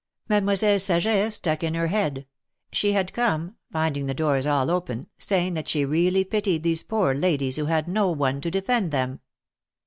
Mademoiselle Saget stuck in her head — she had come, finding the doors all open — saying that she really pitied these poor ladies who had no one to defend them.